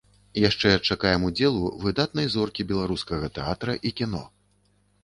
Яшчэ чакаем удзелу выдатнай зоркі беларускага тэатра і кіно!